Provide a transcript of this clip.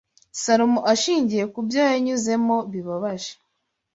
Salomo ashingiye ku byo yanyuzemo bibabaje